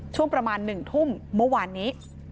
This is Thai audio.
ช่วงประมาณ๑ทุ่มเมื่อวานนี้